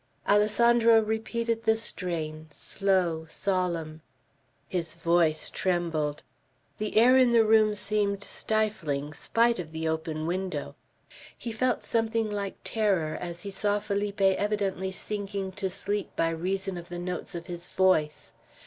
Alessandro repeated the strain, slow, solemn; his voice trembled; the air in the room seemed stifling, spite of the open window; he felt something like terror, as he saw Felipe evidently sinking to sleep by reason of the notes of his voice.